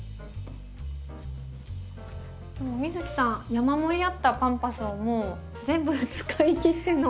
美月さん山盛りあったパンパスをもう全部使い切っての。